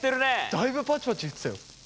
だいぶパチパチいってたよ。